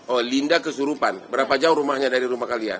oh linda kesurupan berapa jauh rumahnya dari rumah kalian